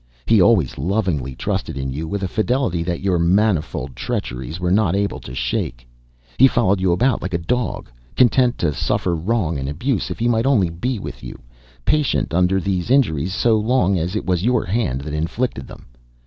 He always lovingly trusted in you with a fidelity that your manifold treacheries were not able to shake. He followed you about like a dog, content to suffer wrong and abuse if he might only be with you; patient under these injuries so long as it was your hand that inflicted them.